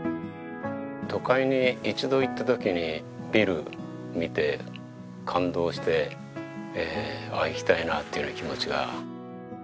都会に一度行った時にビル見て感動してああ行きたいなっていうような気持ちが。